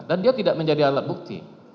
dan dia tidak menjadi alat bukti